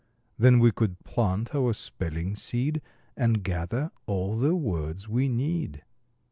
Then we could plant our spelling seed, And gather all the words we need.